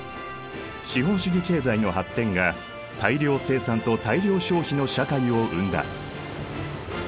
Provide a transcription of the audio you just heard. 資本主義経済の発展が大量生産と大量消費の社会を生んだ。